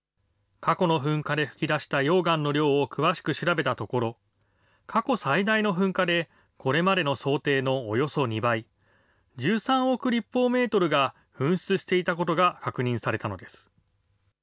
過去の噴火で噴き出した溶岩の量を詳しく調べたところ、過去最大の噴火で、これまでの想定のおよそ２倍、１３億立方メートルが噴出していたことが確認されたのです。